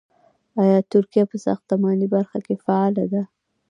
آیا ترکیه په ساختماني برخه کې فعاله ده؟